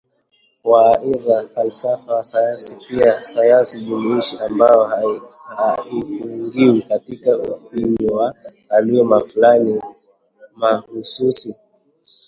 Waaidha, falsafa ni sayansi pia, sayansi jumuishi ambayo haifungiwi katika ufinyu wa taaluma fulani mahususi